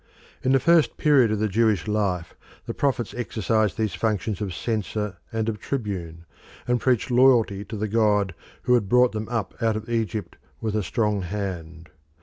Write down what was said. In the first period of the Jewish life the prophets exercised these functions of censor and of tribune, and preached loyalty to the god who had brought them up out of Egypt with a strong hand.